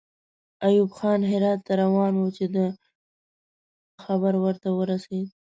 ایوب خان هرات ته روان وو چې د نیول کېدلو خبر ورته ورسېد.